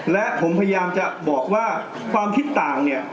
และผมพยายามจะบอกว่าความคิดต่างเนี่ย